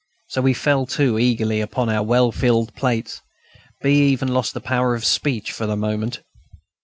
So we fell to eagerly upon our well filled plates. B. even lost the power of speech for the moment.